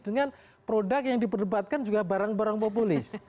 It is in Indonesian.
dengan produk yang diperdebatkan juga barang barang populis